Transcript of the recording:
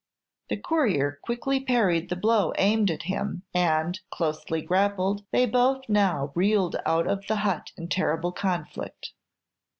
The courier quickly parried the blow aimed at him, and, closely grappled, they both now reeled out of the hut in terrible conflict.